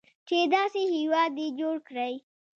چې داسې هیواد یې جوړ کړی.